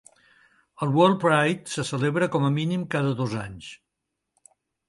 El WorldPride se celebra com a mínim cada dos anys.